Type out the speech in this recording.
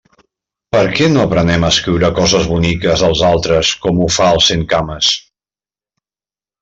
Per què no aprenem a escriure coses boniques als altres, com ho fa el centcames?